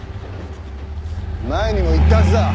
前にも言ったはずだ。